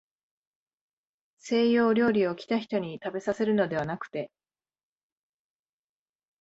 西洋料理を、来た人にたべさせるのではなくて、